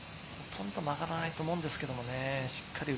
ほとんど曲がらないとは思うんですけどね。